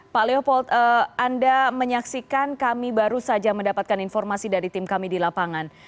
pak leopold anda menyaksikan kami baru saja mendapatkan informasi dari tim kami di lapangan